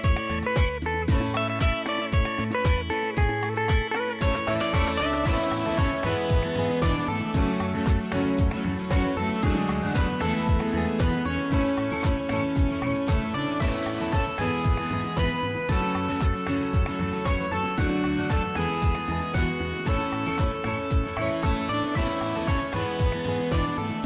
โปรดติดตามตอนต่อไป